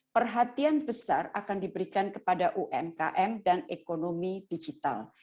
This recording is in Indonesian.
perhatian besar akan diberikan kepada umkm dan ekonomi digital